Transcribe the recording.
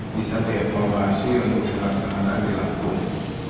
bisa dievolusi untuk kelangsungan lampung